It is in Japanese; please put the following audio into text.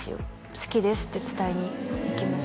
好きですって伝えにいきます